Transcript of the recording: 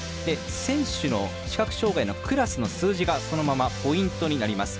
選手の視覚障がいのクラスの数字がそのままポイントになります。